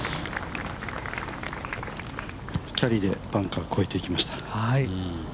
キャリーでバンカー越えていきました。